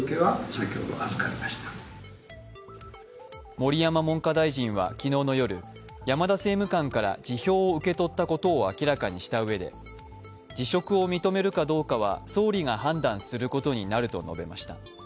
盛山文科大臣は昨日の夜、山田政務官から辞表を受け取ったことを明らかにしたうえで辞職を認めるかどうかは総理が判断することになると述べました。